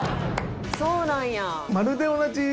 そうなんや」